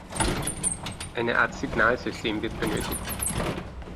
Eine Art Signalsystem wird benötigt.